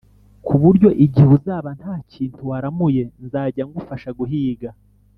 ku buryo igihe uzaba nta kintu waramuye nzajya ngufasha guhiga